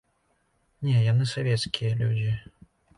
Не, яны савецкія людзі.